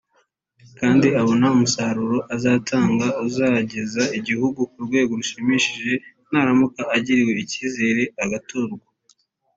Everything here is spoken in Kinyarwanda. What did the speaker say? kandi abona umusaruro azatanga uzageza igihugu ku rwego rushimishije naramuka agiriwe icyizere agatorwa